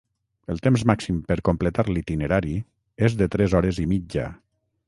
El temps màxim per completar l'itinerari és de tres hores i mitja.